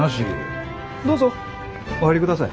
どうぞお入りください。